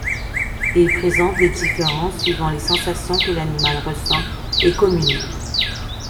Il présente des différences suivant les sensations que l'animal ressent et communique.